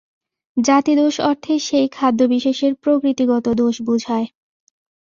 জাতিদোষ-অর্থে সেই খাদ্যবিশেষের প্রকৃতিগত দোষ বুঝায়।